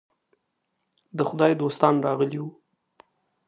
د خدای دوستان راغلي وو.